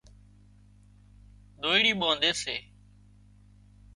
ۮوئيڙِي ٻانڌي سي